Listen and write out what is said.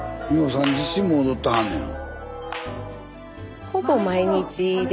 さん自身も踊ってはんねや。